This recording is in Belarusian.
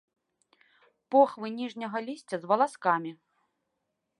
Похвы ніжняга лісця з валаскамі.